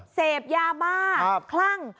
เสพยาบ้าคลั่ง